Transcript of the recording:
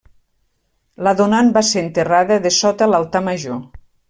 La donant va ser enterrada dessota l'altar major.